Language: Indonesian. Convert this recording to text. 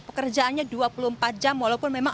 pekerjaannya dua puluh empat jam walaupun memang